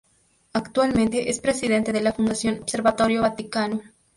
Actualmente es Presidente de la Fundación Observatorio Vaticano.